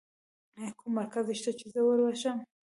ایا کوم مرکز شته چې زه ورشم؟